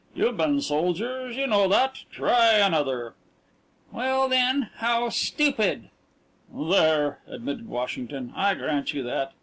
You've been soldiers; you know that. Try another." "Well, then, how stupid." "There," admitted Washington, "I grant you that.